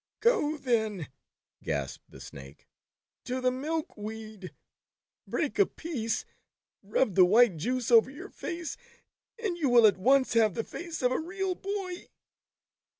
"Go then," gasped the Snake, "to the milk weed — break a piece — rub the white juice over your face — and you will at once — have the face of a real boy."